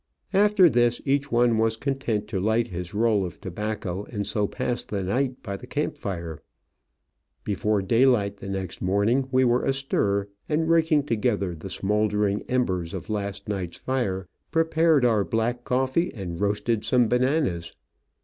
After this each one was content to light his roll of tobacco, and so pass the night by the camp fire. Before daybreak next morning we were astir, and, raking together the smouldering embers of last night's fire, prepared our black coffee and roasted some bananas.